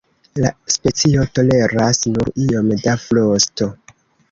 La specio toleras nur iom da frosto.